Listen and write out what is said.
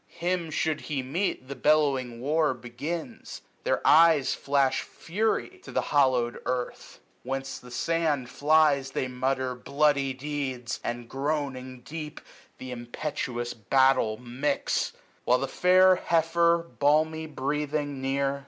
Him should he meet, the bellowing war begins : 800 Their eyes flash fury j to the hoUow'd earth. Whence the sand flies, they mutter bloody deeds. And groaning deep, th' impetuous battle mix : While the fair heifer, balmy breathing, near.